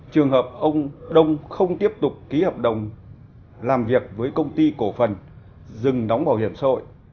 trường hợp ông đông không tiếp tục ký hợp đồng làm việc với công ty cổ phần dừng đóng bảo hiểm xã hội